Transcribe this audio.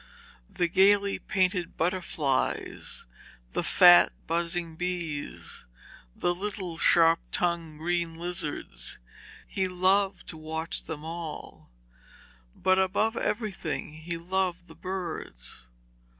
The gaily painted butterflies, the fat buzzing bees, the little sharp tongued green lizards, he loved to watch them all, but above everything he loved the birds.